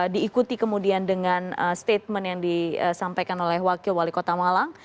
diikuti kemudian dengan statement yang disampaikan oleh wakil wali kota malang